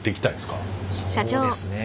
そうですね。